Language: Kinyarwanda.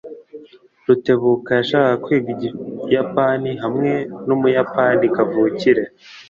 Rutebuka yashakaga kwiga Ikiyapani hamwe n'umuyapani kavukire.